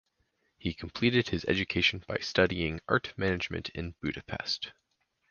He completed his education by studying Art Management in Budapest.